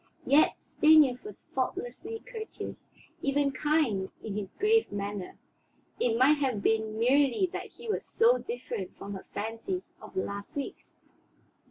Yet Stanief was faultlessly courteous, even kind in his grave manner. It might have been merely that he was so different from her fancies of the last weeks.